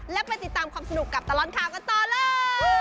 และไปติดตามความสนุกกับตลอดข่าวกันต่อเลย